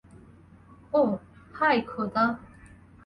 ওহ, হায় খোদা।